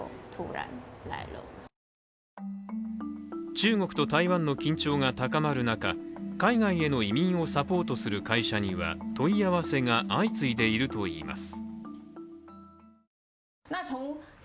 中国と台湾の緊張が高まる中、海外への移住をサポートする会社には問い合わせが相次いでいるといいます。